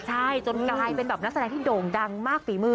ใช่จนกลายเป็นแบบนักแสดงที่โด่งดังมากฝีมือ